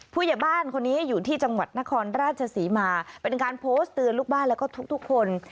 ผู้ใหญ่บ้านคนนี้อยู่ที่จังหวัดนครราชศรีมาเป็นการโพสต์เตือนลูกบ้านแล้วก็ทุกทุกคน